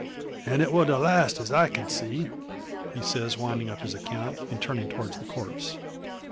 "An' it war the last, as I can see," he says, winding up his account, and turning towards the corpse.